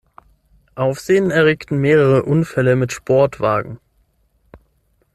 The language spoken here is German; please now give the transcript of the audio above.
Aufsehen erregten mehrere Unfälle mit Sportwagen.